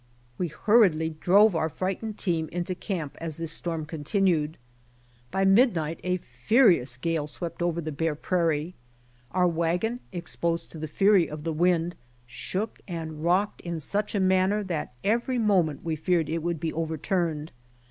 We hurriedly drove our frightened team 14 BY OX TEAM TO CALIFORNIA into camp as this storm continued. By midnight a furious gale sw^t over the bare prairie. Our wagon, exposed to the furv of the wind, shook and rocked in such a nmnner, that every moment we feared it would be overturne'd.